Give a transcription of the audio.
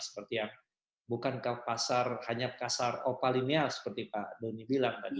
seperti yang bukan ke pasar hanya kasar opalinia seperti pak doni bilang tadi